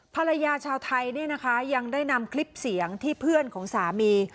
ชาวไทยเนี่ยนะคะยังได้นำคลิปเสียงที่เพื่อนของสามี